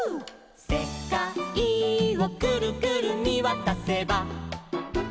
「せかいをくるくるみわたせば」